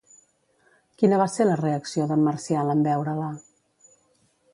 Quina va ser la reacció d'en Marcial en veure-la?